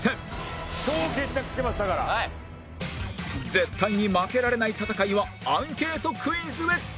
絶対に負けられない戦いはアンケートクイズへ